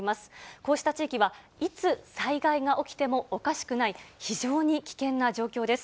こうした地域は、いつ災害が起きてもおかしくない、非常に危険な状況です。